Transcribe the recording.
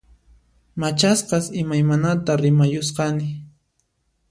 Machasqas imaymanata rimayusqani